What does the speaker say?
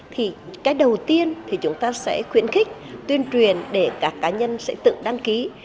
thì cái đầu tiên thì chúng ta sẽ khuyến khích tuyên truyền để các cá nhân sẽ tự đăng ký